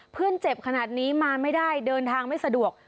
เจ็บขนาดนี้มาไม่ได้เดินทางไม่สะดวก